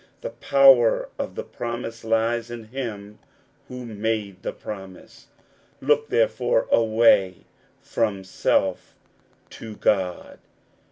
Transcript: The power of the promise lies in him who made the promise. Look therefore away from self to God.